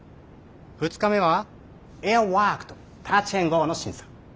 ２日目はエアワークとタッチ＆ゴーの審査。